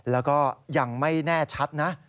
แล้วก็ยังไม่แน่ชัดนะ